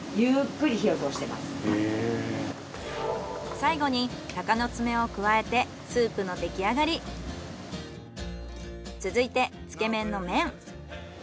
最後に鷹の爪を加えてスープの出来上がり。続いてつけ麺の麺。